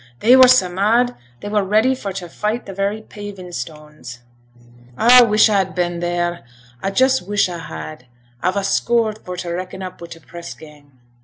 They were so mad, they were ready for t' fight t' very pavin' stones.' 'A wish a'd been theere! A just wish a had! A've a score for t' reckon up wi' t' press gang!'